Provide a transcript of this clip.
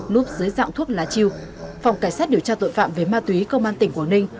núp dưới dạng thuốc lá chiêu phòng cảnh sát điều tra tội phạm về ma túy công an tỉnh quảng ninh